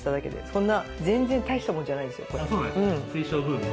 そんな全然大したものじゃないですよ。